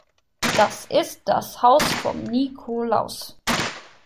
Das ist das Haus vom Nikolaus.